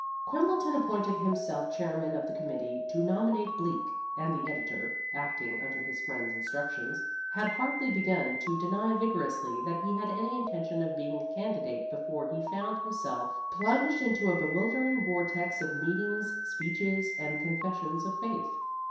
Quimbleton appointed himself chairman of the committee to nominate Bleak, and the editor (acting under his friend's instructions) had hardly begun to deny vigorously that he had any intention of being a candidate before he found himself plunged into a bewildering vortex of meetings, speeches, and confessions of faith.